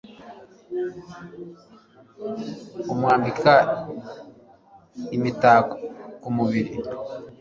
Imwambika imitako ku mubiri